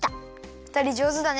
ふたりじょうずだね。